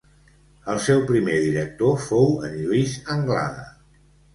El seu primer director fou en Lluís Anglada.